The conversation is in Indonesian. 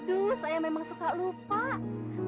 aduh saya memang suka lu pak